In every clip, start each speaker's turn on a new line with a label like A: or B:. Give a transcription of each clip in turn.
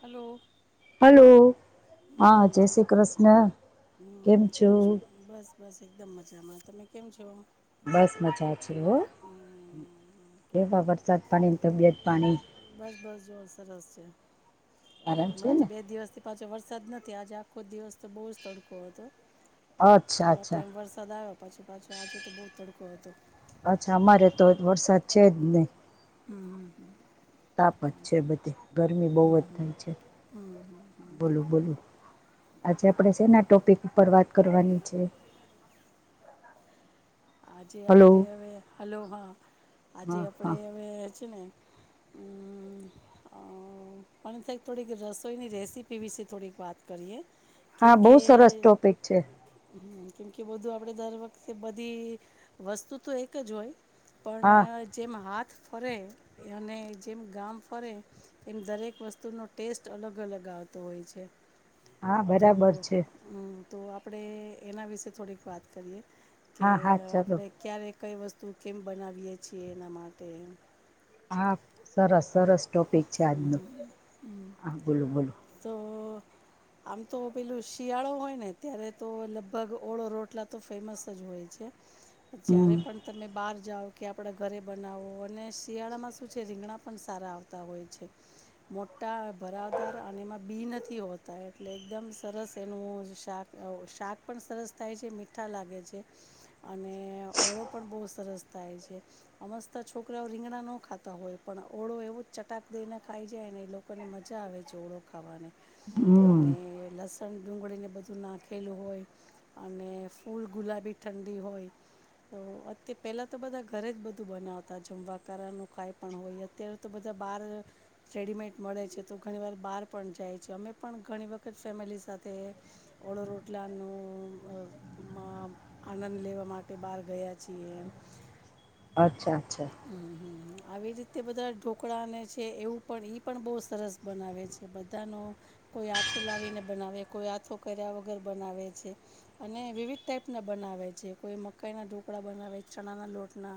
A: Hello
B: hello હા
A: હમ
B: જય
A: જે
B: શ્રી કૃષ્ણ કેમ
A: હમ
B: છું
A: છો બસ બસ એકદમ મજામાં તમે કેમ છો
B: બસ મજા છે હો કેવા વરસાદ પાણી તબિયત પાણી
A: બસ બસ જોર સરસ છે
B: આરામ છે
A: હમણાં
B: ને?
A: તો બે દિવસથી પાંચો વર્ષ સદ નથી આજે આખો દિવસ તો બહુ જ તડકો હતો
B: અચ્છા
A: થોડા
B: અચ્છા
A: ટાઈમ વરસાદ આવ્યો પછી પાછુ આજે તો બહુ તડકો ક તો
B: અચ્છા અમારે તો વરસાદ છે જ નહી
A: હમ હમ હ
B: તાપ જ છે બધી ગરમી બહુ જ થાય છે બોલું બોલું આજે આપડે છેના ટોપિક ઉપર વાત કરવાની છે
A: આજે
B: હલો
A: આપડે હવે હલો હા આજે
B: હા
A: આપડે
B: હા
A: હવે છે ને [inaudible] પણ થંક થોડીક રસોઈની રેસીપી વિશે થોડીક વાત કરીએ
B: હા બહુ
A: કેમકે
B: સરસ ટોપિક છે
A: હમ કેમકે બધું આપણે દર વખતે બધી વસ્તુ તો એક જ હોય પણ
B: હા
A: જેમ હાથ ફરે અને જેમ ગામ ફરે એમ દરેક વસ્તુનો ટેસ્ટ અલગ-અલગ આવતો હોય છે.
B: હા,
A: તો
B: બરાબર છે.
A: હમ તો આપણે એના વિશે થોડીક વાત કરીએ કે,
B: હા હા ચાલો
A: આપણે ક્યારેક કઈ વસ્તુ કેમ બનાવીએ છીએ એના માટે
B: હા! સરસ-સરસ ટોપિક છે આજનું. હા બોલો-બોલો
A: તો
B: હ [unintelligible]
A: આમ તો પેલું શિયાળો હોય ને ત્યારે તો લગભગ ઓળો રોટલા તો ફેમસ જ હોય છે. જ્યારે
B: હમ
A: પણ તમે બાર જાઓ કે, આપણા ઘરે બનાવો અને શિયાળામાં શું છે રીંગણા પણ સારા આવતા હોય છે. મોટા ભરાવદાર અને એમાં બી નથી હોતા એટલે એકદમ સરસ એનું શાક અ શાક પણ સરસ થાય છે, મીઠા લાગે છે અને ઓળો પણ બો સરસ થાય છે. અમસ્તા છોકરાઓ રીંગણા ન ખાતા હોય પણ ઓળો એવો જ ચટાક દઈને ખાય જાય. ને એ લોકોને મજા આવે છે ઓળો ખાવાની
B: હમ
A: અને લશ ગન ડુંગળીને બધું નાખેલું હોય અને ફૂલ ગુલાબી ઠંડી હોય તો અ પેલા તો બધા ઘરે જ બધું બનાવતા જમવાકારા નું કાય પણ હોય અત્યારે તો બધા બાર રેડીમેડ મળે છે તો ઘણી વાર બહાર પણ જાય છે, અમે પણ ઘણી વખત ફેમિલી સાથે ઓળો રોટલાનું મા આનંદ લેવા માટે બહાર ગયા છીએ એમ.
B: અચ્છા અચ્છા!
A: હમ, હમ. આવી રીતે બધા ઢોકળાને છે એવું પણ ઇ પણ બો સરસ બનાવે છે બધાનો કોઈ આથું લાવીને બનાવે, કોઈ આથો કર્યા વગર બનાવે છે અને વિવિધ ટાઈપ ના બના બનાવે છે.. કોઈ મકાઈ ના ઢોકળા બનાવે, ચણાના લોટના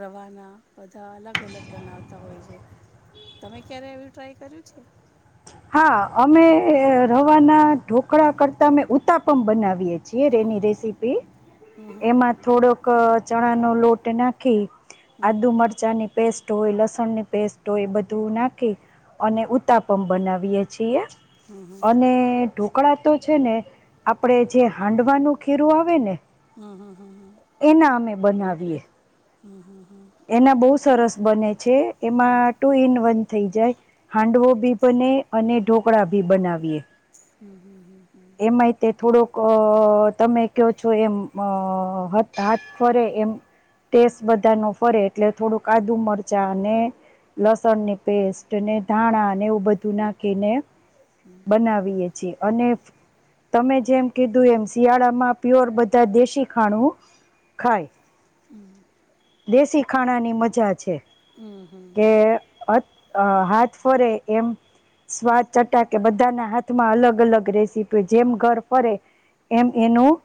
A: રવાના બધા અલગ-અલગ બનાવતા હોય છે. તમે ક્યારે એવું ટ્રાય કર્યું છે?
B: હા! અમે રવાના ઢોકળા કરતા અમે ઉતાપમ બનાવીએ છીએ રે રસીપી
A: હમ
B: એમાં થોડોક ચણા નો લોટ નાંખી
A: હમ
B: આદુ મરચાંની પેસ્ટ હોય, લસણ ની પેસ્ટ હોય બધું નાખી અને ઉતાપમ બનાવીયે છીએ. અને ઢોકળા તો છે ને આપણે જે હાંડવાનું ખીરું આવે ને
A: અહહહ
B: બનાવીયે.
A: હમ હમ હ.
B: એના બઉ સરસ બને છે, એમાં ટુ ઇન વન થઈ જાય. હાંડવો બી બને અને ઢોકળા ભી બનાવીએ
A: હમ હમ.
B: [inaudible] એમાંય તે થોડોક અ તમે કયો છો એમ અ હાથ ફરે એમ ટેસ્ટ બધા નો ફરે એટલે થોડુક આદુ મરચાં ને. લસણની પેસ્ટ, અને ધાણા ને એવું બધું નાખીને. બનાવીએ છીએ અને તમે જેમ કીધું એમ શિયાળામાં પ્યોર બધા દેશી ખાણું. ખાય! દેશી ખાણાની મજા છે.
A: હમ હમ હમ.
B: કે અ અ હાથ ફરે એમ સ્વાદ ચટાકે બધાના હાથમાં અલગ અલગ રેશ જેમ ઘર ફરે એમ એનું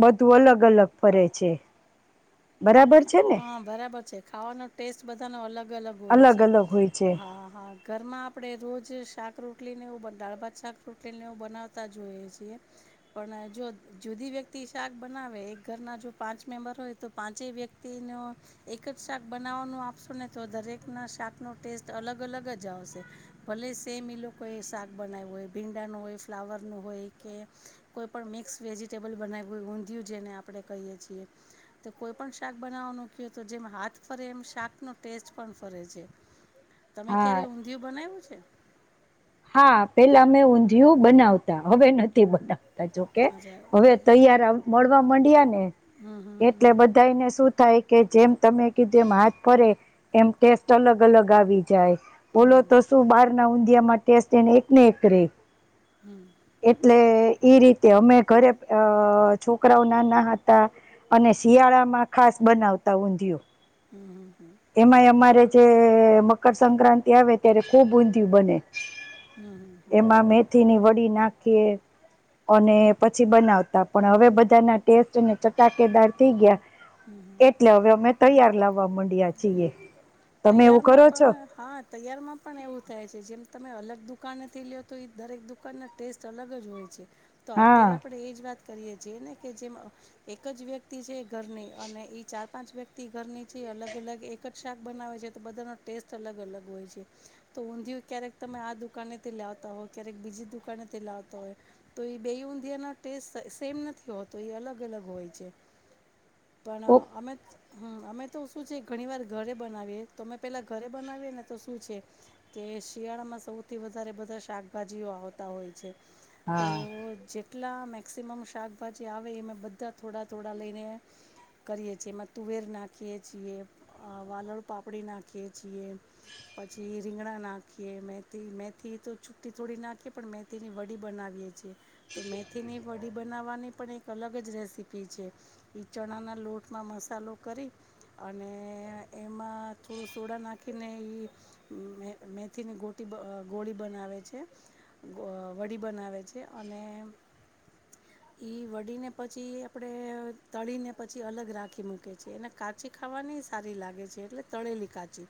B: બધુ અલગ-અલગ ફરે છે. બરાબર છે ને
A: હા! બરાબર છે ખાવાનો ટેસ્ટ બધાનો અલગ અલગ હોય છે
B: અલગ હોય છે
A: હા હા હા ઘરમાં આપણેે રોજ શાક રોટલીને એવુ દાળ ભાત શાક રોટલીને એવુ બનાવતા જોઈએ છીએ પણ જો જુ બધી વ્યક્તિ શાક બનાવે એક ઘરના જો પાંચ મેમ્બર હોય તો પાંચેય વ્ય તી નો એક જ શાક બનાવવાનું આપશો ને તો દરેક ના શાક નો ટેસ્ટ અલગ અલગ જ આવશે ભલે સેમ લોકોએ શાક બનાવું હોય ભીંડા નું હોય ફ્લાવર નું હોય કે કોઈ પણ મિક્સ વેજીિટેબલ બનાવ ઊંધિયું જેને આપે કહીએ છીએ કોઈ પણ શાક બનાવવાનું કે તો જેમ હાથ ફરે એમ શાકનો ટેસ્ટ પણ ફરે છે. તમે
B: હા
A: ક્યારે ઊંધિયું બનાયવું છે.
B: હા પેલા મે ઊંધિયું બનાવતા હવે નથી બતા તા જોકે
A: અચ્છા
B: હવે
A: એટલે
B: તૈયાર આવ મળવા માંડ્યા ને.
A: હમ હમ
B: એટલે બધાય ને શું થાય. કે જેમ તમે કીધું એમ હાથ ફરે એમ ટેસ્ટ અલગ અલગ આવી જાય. બોલો તો શું બાર ના ઊંધિયામાં ટેસ્ટ એને એક એક રેય.
A: હમ હમ હમ
B: એટલે એ રીતે અમે ઘરે અ છોકરાઓ ના ના હતા. અને શિયાળા માં ખાસ બનાવતા ઊંધિયું.
A: હમ હમ હમ.
B: તે મકરસંક્રાંતિ આવે ત્યારે ખૂબ ઊંધયું બને.
A: હમ હમ
B: એમાં મેથીની વડી નાખીએ. અને પછી બનાવતા પણ હવે બધાના ટેસ્ટ અને ચટાકેદાર થઈ ગયા. એટલે હવે અમે તૈયાર લાવવા મન
A: તૈયારમાં
B: છો
A: પણ હા તૈયારમાં પણ એવું થાય છે જેમ તમે અલગ દુકાનેથી લો તો એ દરેક દુકાનના ટેસ્ટ અલગ જ હોય છે. તો અત્યારે
B: હા
A: આપડે એજ વાત કરીએ જે ને કે જેમ એક જ વ્યક્તિ છે. ઘરની અને ઈ ચાર પાંચ વ્યક્તિ ઘર ની છે અલગ. અલગ એક જ શાક બનાવે છે તો બધાનો ટેસ્ટ અલગ અલગ હોય છે તો ઊંધિયું ક્યારેક તમે આદુ. કને તે લાવતા હોય ક્યારેક બીજી દુકાને થી લાવતા હોય તો એ બે ઊંધિયા ટેસ્ટ સેમ ન થી હોતો એ અલગ અલગ હોય છે.
B: [inaudible]
A: પણ અમે હમ અમે તો શું છે ઘણી વાર ઘરે બનાવીએ તો અમે પેલા ઘરે બનાવીએ ને તો શું છે કે શિયાળામાં સૌ થી વધરે બધા શાકભાજી આવતા હોય છે તો
B: હા
A: ચે કેટલા મેક્સિમમ શાકભાજી આવે એમે બધા થોડા થોડા લઈને. કરીએ છીએ એમાં તુવેર નાખીએ છીએ. છી વાલળ પાપડી નાખીએ છીએ પછી. રીંગણા નાખીએ મેથી મેથી તો છુ્ટી થોડી નાખીએ પણ મેથીની વડી બનાવીએ છીએ. તો મેથીની વડી બનાવવાની. પણ એક અલગ જ રેસીપી છે એ ચણાના લોટમાં મસાલો કરી. અને એમાં થોડું સોડા નાખીને એ મેથીની ગોટી. ગોળી બનાવે છે વડી બનાવે છે અને.
B: [inaudible]
A: ઈ વડીીને પછી આપણેે તળી ને પછી અલગ રાખી મૂકે છે એને કા. કાચી ખાવાની સારી લાગે છે એટલે તળેલી કાચી.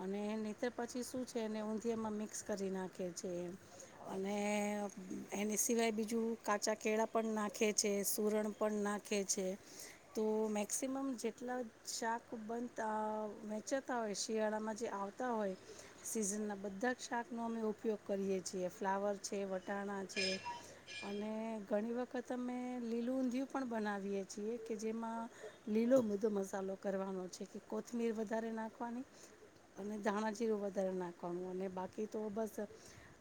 A: અને નીિતે પછી શું છે એને ઊંધિયામાં મિક્સ કરી નાખે છે એ. અને એની સિવાય બીજું કાચા કેળા પણ નાખે છે સુરણ પણ ના. નાખે છે તો મેક્સિમમ જેટલા. શાક બંધ વહેચાતા હોય શિયાળામાં જે આવતા હોય સિઝનના બધા. શાકનો અમે ઉપયોગ કરીએ છીએ ફ્લાવર છે વટાણા છે. અને ઘણી વખત અમે લીલું ઊંધિયું પણ બનાવીએે છીએ. કે જેમાં લીલો બધો. કરવા છે કોથમીર વધારે નાખવાની અને ધાણાજીરું વધારે નાખવાનું અને બાકી તો બસ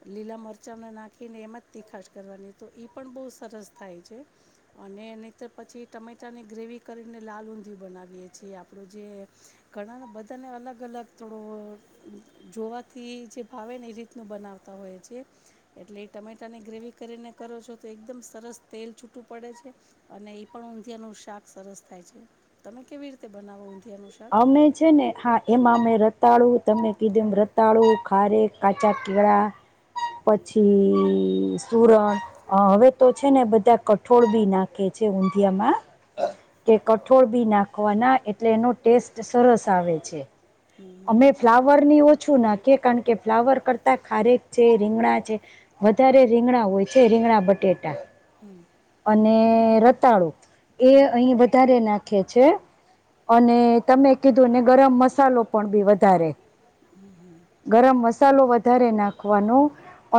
A: લીલા મરચાંને નાખીને મત તી ખાસ કરવાની તો પણ બહુ સરસ થાય છે અને ન પછી તમે બધાને ગ્રેવી કરીને લાલ ઊંધી બનાવીએ છીએ. જે આપણું જે ઘણા બધાને અલગ અલગ થોડો જોવાથી જે ભાવે ને એ રીતનું બનાવતા હોય છે એટલે એ ટમેટાની ગ્રેવી કરીને કરો છો તો એકદમ સરસ તેલ છૂટું પડે છે અને એ પણ ઊંધીયાનું શાક સરસ થાય છે તમે કેવી રીતે બનાવો ઊંધિયાનું શાક
B: અમે છે ને હા એમાં અમે ર રતાળુ તમે કીધું રતાળું ખારેક કાચા કેળા પછી સુરણ હવે તો છે ને બધા કઠોળ બી નાખે કે છે ઊંધીયામાં કે કટ છોડ બી નાખવાના એટલે એનો ટેસ્ટ સરસ આવે છે. અમે ફ્લાવર ની ઓછું નાખી કારણ કે ફ્લાવર કરતા ખારેક છે રીંગણા છે વધારે રીંગણા હોય છે રીંગણા બટેટા અને રતાળું એ અહીં વધારે નાખે છે. અને તમે કીધું ને ગરમ મસાલો પણ બી વધારે ગરમ મસાલો વધારે નાખવાનો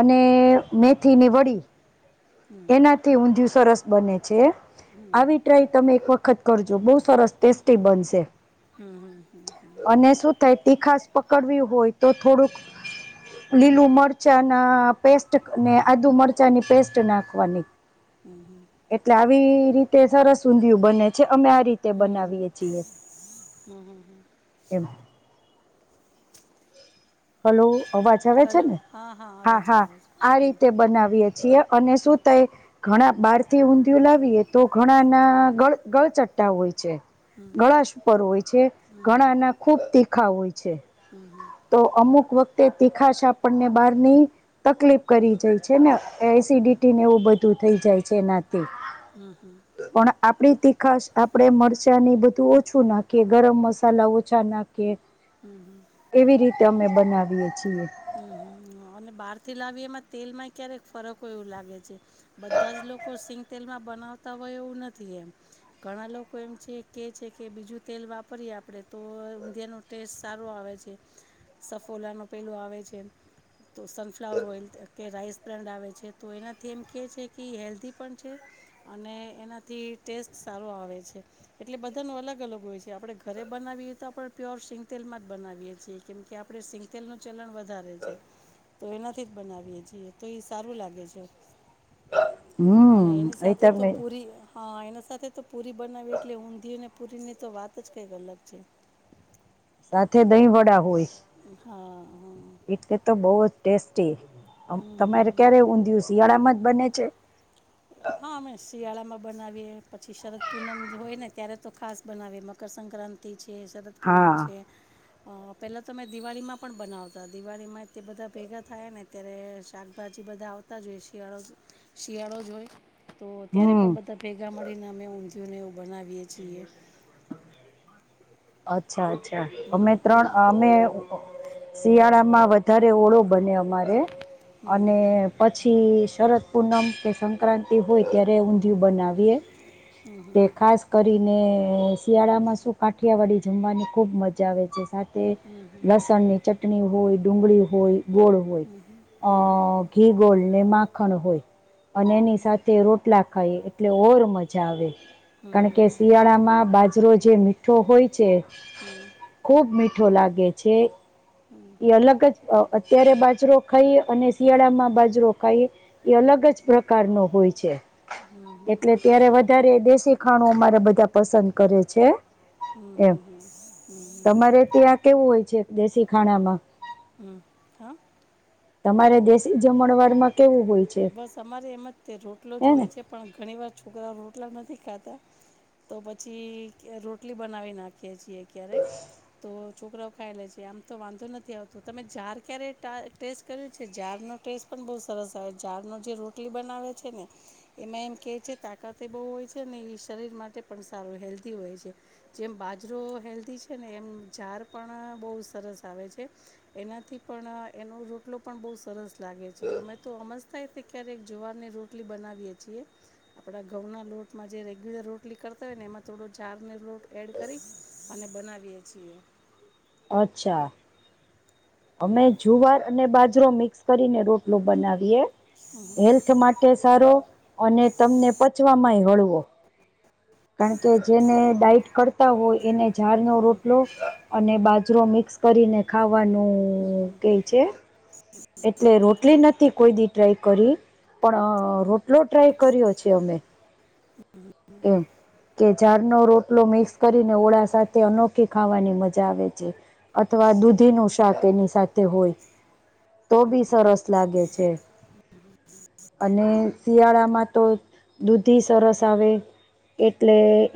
B: અને મેથીની વડી એનાથી ઊંધિયું સરસ બને છે આવી ટ્રાય તમે એક વખત વખત કરજો બઉ સરસ ટેસ્ટી બનશે.
A: હમ્મ હમ્મ હમ્મ.
B: અને શું થાય તીખાસ પકડવી હોય તો થોડુંક લીલું મરચા ના પેસ્ટ ને આદુ મરચાંની પેસ્ટ નાખવાની એટલે આવી રીતે સરસ ઊંધિયુ બને છે. અમે આ રીતે
A: હમ હમ
B: બનાવીએ છીએ એમ. હલો અવાજ આવે છે
A: હલો
B: ને.
A: હા આવે
B: હા
A: છે
B: હા
A: આવે છે
B: આ
A: હમ
B: રીતે બનાવીએે છીએ અને શું થઈ ઘણા બહાર થી ઊંધિયું લાવીએ તો ઘણા ના ગળ ગળચટ્ટા હોય છે. ઘણા સુર હોય છે ઘણાના ખૂબ તીખા હોય છે. તો અમુક વખતે તીખા છે આપણને બહારની તકલીફ કરી જાય છે ને એસિડિટી ને એવું બધું થઈ જાય છે એનાથી
A: હમ્મ હમ્મ.
B: પણ આપણી તીખાશ આપણેે મરચાંની બધું ઓછું નાખીએ ગરમ મસાલા ઓછા નાખીએ
A: હમ્મ-હમ્મ.
B: એવી રીતે અમે બનાવીએ છીએ.
A: હમ્મ-હમ્મ. અને બહારથી લાવી એમાં તેલમાં ક્યારેક ફરક હોય એવું લાગે છે. બધા જ લોકો શિંગ તેલમાં બનાવતા હોય એવું નથી એમ, ઘણા લોકો એમ છે કે છે કે બીજું તેલ વાપરીએ આપણે તો ઊંધિયાનો ટેસ્ટ સારો આવે છે. સફોલાનો પહેલો આવે છે. તો સનફ્લાવર ઓઇલ કે રાઈસ બ્રાન્ડ આવે છે, તો એનાથી એમ કે છે કે ઈ હેલ્ધી પણ છે અને એનાથી ટેસ્ટ સારો આવે છે. એટલે બધા નો અલગ-અલગ હોય છે. આપડે ઘરે બ બનાવીએ તો આપણે પ્યોર સિંગતેલમાં જ બનાવીએ છીએ, કેમ કે આપણે સિંગતેલનું ચલન વધ ધારે છે, તો એનાથી જ બનાવી છીએ તો એ સારું લાગે છે. અને
B: હમ
A: એની
B: એ
A: સાથે તો
B: તમે
A: પૂરી હા એના સાથે તો પૂરી બનાવી એટલે ઊંધીયું ને પૂરીની તો વાત જ કંઈક અલગ છે.
B: સાથે દહીં વડા હોય.
A: હા.
B: એટલે તો બઉ જ ટેસ્ટી. આમ
A: હમ
B: તમારે ક્યારે
A: હમ
B: ઊંધિયું શિયાળામાં જ બને છે?
A: હા અમે શિયાળામાં બનાવીએ, પછી શરદ પૂનમ હોય જે હોયને ત્યારે તો ખાસ બનાવીએ, મકરસંક્રાંતિ છે, શરદપૂનમ
B: હા
A: છે. અહ પેલા તો મેં દિવાળીમાં પણ બનાવતા, દિવાળી માં તે બધા ભેગા થાય ને ત્યારે શાકભાજી એ બધા આવતા જ હોય શિયાળો શિયાળો જોઈ તો ત્યારે પણ
B: હમ
A: બધા ભેગા મળીને અમે ઊંધીયું ને એવું બનાવી વીએ છીએ.
B: અચ્છા-અચ્છા.
A: હમ
B: અમે ત્રણ અમે શિયાળામાં વધારે ઓળો બને અમારે, અને પછી શરદ પૂનમ કે સંક્રાંતિ હોય ત્યારે ઊંધિયું બનાવીએ. તે ખાસ ને શિયાળામાં શું કાઠિયાવાડી જમવાની ખુબ મજા આવે છે. તે લસણ ની ચટણી હોય, ડુંગળી હોય ગોળ હોય, અહ ઘી ગોળ ને માખણ હોય અને એની સાથે રોટલા ખાય એટલે ઓર મજા આવે. કારણ કે શિયાળામાં બાજરો જે મીઠો હોય છે, ખુબ મીઠ ઠો લાગે છે. ઈ અલગ જ અહ અત્યારે બાજરો ખાઈએ અને શિયાળામાં બાજરો ખાઈએ ઈ અલગ જ જ પ્રકાર નો હોય છે. એટલે ત્યારે વધારે દેશી ખાણું અમારે બધા પસંદ કરે છે. એમ તમારે ત્યાં કેવું
A: હમ્મ-હમ્મ-હમ્મ-હમ્મ-હમ્મ.
B: હોય છે દેશી ખાણા માં
A: હમ્મ, હા.
B: તમારે દેશી જમણવાડ માં
A: બસ અમારે એમ જ તે, રોટલો
B: હે
A: જ
B: ને
A: હોય છે પણ ઘણી વાર છોકરાઓ રોટલા નથી ખાતા, તો પછી રોટલી બનાવી નાખીએ છીએ ક્યારેક, તો છોકરાઓ ખાય લે છે. આમ તો વાંધો નથી આવતું. તમે જાર ક્યારેય ટા ટેસ્ટ કર્યું છે? જાર નો ટેસ્ટ પ ણ બહુ સરસ હવે જારનો જે રોટલી બનાવે છે ને, એમાં એમ કહે છે તાકાતે એ બહુ હોય છે ને, ઈ શરીર માટે પણ સારું હેલ્ધી હોય છે. જેમ બાજરો હેલ્ધી છે ને, એમ જાર પણ અહ બહુ સરસ આવે છે. એનાથી પણ એનો રોટલો પણ બહુ સરસ લાગે છે. અમે તો અમસ્તાએ તે ક્યારેક જવારને રોટલી બનાવીએ છીએ. આપડા ઘઉં ના લોટમાં જે રેગ્યુલર રોટલી કરતા હોય ને એમાં થોડો જારને લોટ એડ કરી અને બનાવીએ છીએ.
B: અચ્છા. અમે જુવાર અને બાજરો મિક્સ કરીને રોટલો બનાવીએ. હેલ્થ માટે સારો અને તમને પચવા માંય હળવો. કારણ કે જેને ડાઈટ કરતા હોય એને ઝાડનો
A: હ
B: રોટલો. અને બાજરો મિક્સ કરીને ખાવાનું.
A: હમ હમ.
B: કે છે એટલે રોટલી નથી કોઈ દી ટ્રાય કરી. પણ રોટલો ટ્રાય કર્યો છે અમે.
A: [inaudible]
B: હમ. કે ઝાડનો રોટલો મિક્સ કરીને ઓળા સાથે અનોખી ખાવાની મજા આવે છે અથવા. દૂધી નું શાક એની સાથે હોય. તો બી સરસ લાગે છે. અને શિયાળામાં તો દૂધી સરસ આવે. એટલે